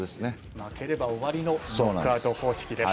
負ければ終わりのノックアウト方式です。